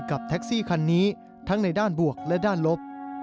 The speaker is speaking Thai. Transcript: กับแท็กซี่คันนี้ทั้งในด้านบวกและด้านลบ